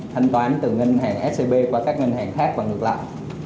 thanh toán từ ngân hàng scb qua các ngân hàng khác và ngược lại